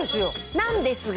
なんですが。